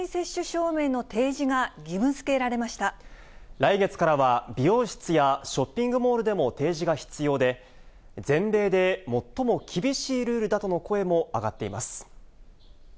来月からは、美容室やショッピングモールでも提示が必要で、全米で最も厳しいルールだとの声も上がっています。